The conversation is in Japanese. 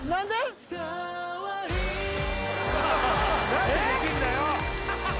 何でできんだよ